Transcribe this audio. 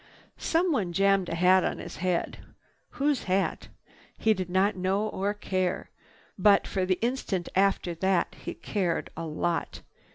Someone jammed a hat on his head. Whose hat? He did not know or care. But for the instant after that he cared a lot.